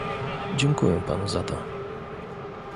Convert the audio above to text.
Dziękuję panu za to